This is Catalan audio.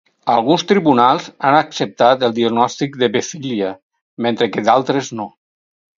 Alguns tribunals han acceptat el diagnòstic d'hebefília, mentre que d'altres, no.